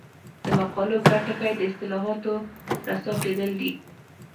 د مقالو ګډ ټکی د اصطلاحاتو رسا کېدل دي.